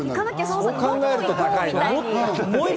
それ考えると高いな。